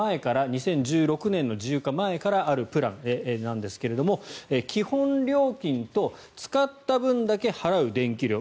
これは２０１６年の自由化前からあるプランなんですが基本料金と使った分だけ払う電気料。